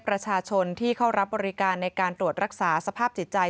ประชาชนที่เข้ารับบริการในการตรวจรักษาสภาพจิตใจ